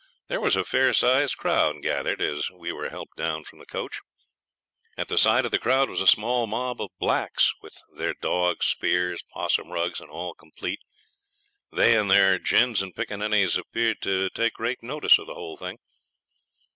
There was a fair sized crowd gathered as we were helped down from the coach. At the side of the crowd was a small mob of blacks with their dogs, spears, 'possum rugs and all complete. They and their gins and pickaninnies appeared to take great notice of the whole thing.